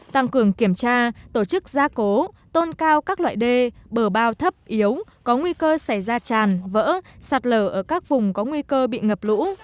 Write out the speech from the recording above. tăng cường kiểm tra tổ chức gia cố tôn cao các loại đê bờ bao thấp yếu có nguy cơ xảy ra tràn vỡ sạt lở ở các vùng có nguy cơ bị ngập lũ